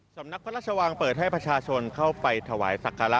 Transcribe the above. สำนักพระราชวังเปิดให้ประชาชนเข้าไปถวายสักการะ